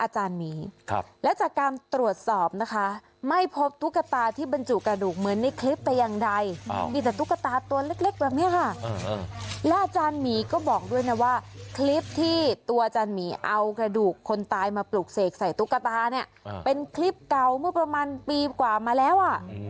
จากตุ๊กตาตัวเล็กแบบนี้ค่ะและอาจารย์หมีก็บอกด้วยนะว่าคลิปที่ตัวอาจารย์หมีเอากระดูกคนตายมาปลูกเสกใส่ตุ๊กตาเนี่ยเป็นคลิปเก่าเมื่อประมาณปีกว่ามาแล้วอ่ะ